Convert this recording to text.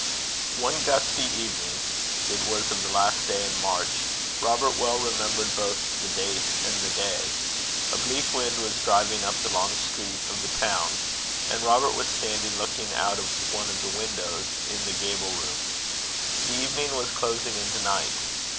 One gusty evening it was of the last day in March Robert well remembered both the date and the day a bleak wind was driving up the long street of the town, and Robert was standing looking out of one of the windows in the gable room. The evening was closing into night.